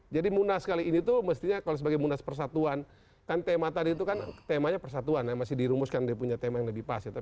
jadi mudah sekali ini tuh mestinya kalau sebagai mudah persatuan kan tema tadi itu kan temanya persatuan ya masih dirumuskan dia punya tema yang lebih pas ya